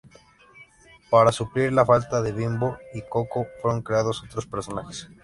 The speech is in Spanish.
Para suplir la falta de Bimbo y Koko fueron creados otros personajes.